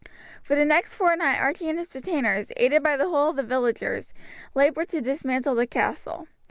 For the next fortnight Archie and his retainers, aided by the whole of the villagers, laboured to dismantle the castle.